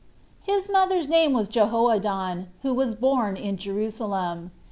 His mother's name was Jehoaddan, who was born at Jerusalem.